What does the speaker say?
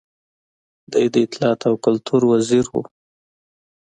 دی د اطلاعاتو او کلتور وزیر و.